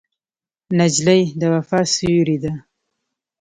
نجلۍ د وفا سیوری ده.